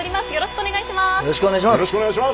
よろしくお願いします。